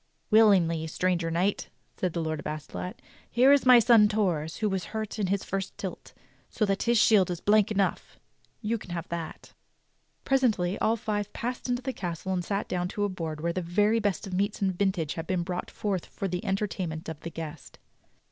"Willingly, stranger knight," said the Lord of Astolat. "Here is my son Torre's who was hurt in his first tilt, so that his shield is blank enough. You can have that." Presently all five passed into the castle and sat down to a board where the very best of meats and vintage had been brought forth for the entertainment of the guest.